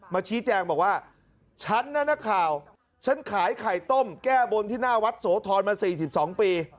ชี้แจงบอกว่าฉันนะนักข่าวฉันขายไข่ต้มแก้บนที่หน้าวัดโสธรมา๔๒ปี